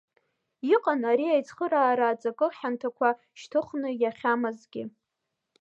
Иҟан ари аицхыраара аҵакы хьанҭақәа шьҭыхны иахьамазгьы.